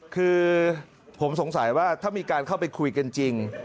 คือผมสงสัยว่าถ้ามีการเข้าไปคุยกันจริง